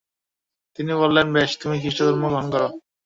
তিনি বললেন, বেশ, তুমি খৃষ্টধর্ম গ্রহণ কর।